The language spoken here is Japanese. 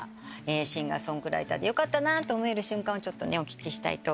シンガー・ソングライターでよかったなと思える瞬間をお聞きしたいと。